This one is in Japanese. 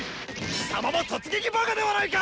貴様も突撃バカではないか！